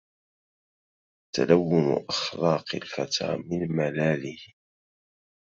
تلون أخلاق الفتى من ملاله